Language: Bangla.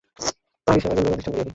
আরিশেমের জন্যই অধিষ্ঠান করি আমি।